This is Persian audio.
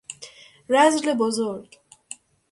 رذل بزرگ